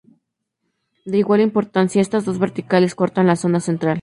De igual importancia, estas dos vertientes cortan la zona central.